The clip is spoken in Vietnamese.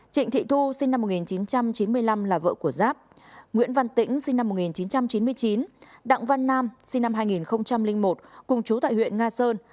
trịnh thị thu sinh năm một nghìn chín trăm chín mươi năm là vợ của giáp nguyễn văn tĩnh sinh năm một nghìn chín trăm chín mươi chín đặng văn nam sinh năm hai nghìn một cùng chú tại huyện nga sơn